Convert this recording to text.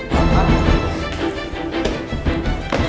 tunggu di sini